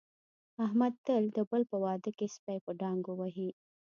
احمد تل د بل په واده کې سپي په ډانګو وهي.